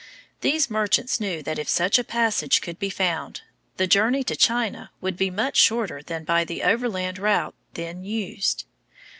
These merchants knew that if such a passage could be found, the journey to China would be much shorter than by the overland route then used.